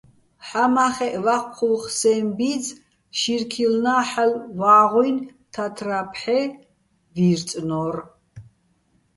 ჰ̦ამა́ხეჸ ვაჴჴუ́ხ სეჼ ბი́ძ შირქილნა́ ჰ̦ალო̆ ვა́ღუჲნი̆ თათრა́ ფჰ̦ე ვი́რწნო́რ.